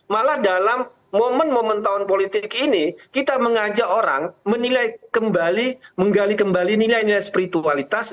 malah dalam momen momen tahun politik ini kita mengajak orang menggali kembali nilai nilai spiritualitas